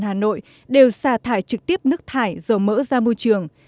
các sông hồ trên địa bàn hà nội đều xà thải trực tiếp nước thải dầu mỡ ra môi trường